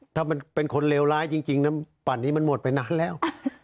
ถ้ามันเป็นคนเลวร้ายจริงนะปั่นนี้มันหมดไปนานแล้ว